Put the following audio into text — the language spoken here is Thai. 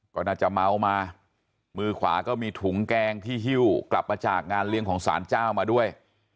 ก็น่าจะเมามามือขวาก็มีถุงแกงที่ฮิ้วกลับมาจากงานเลี้ยงของสารเจ้ามาด้วย